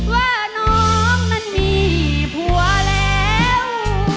ว่าน้องนั้นมีผัวแล้ว